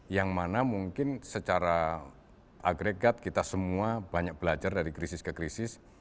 yang mana mungkin secara agregat kita semua banyak belajar dari krisis ke krisis